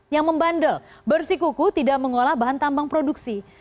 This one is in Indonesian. yang membandel bersikuku tidak mengolah bahan tambang produksi